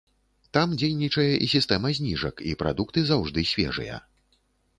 Там дзейнічае і сістэма зніжак, і прадукты заўжды свежыя.